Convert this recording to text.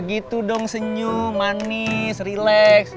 gitu dong senyum manis rileks